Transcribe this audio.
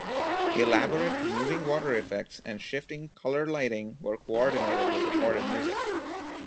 Elaborate moving water effects and shifting colored lighting were coordinated with recorded music.